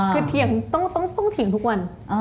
คือเถียงต้องเถียงทุกวัน